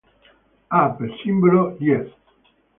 Ha per simbolo ys.